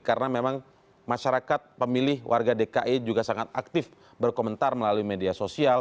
karena memang masyarakat pemilih warga dki juga sangat aktif berkomentar melalui media sosial